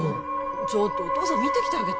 ちょっとお父さん見てきてあげて・